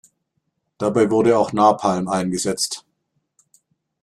Dabei wurde auch Napalm eingesetzt.